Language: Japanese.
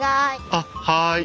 あっはい。